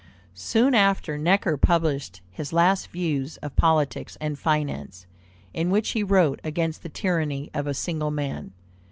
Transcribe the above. Soon after Necker published his Last Views of Politics and Finance, in which he wrote against the tyranny of a single man.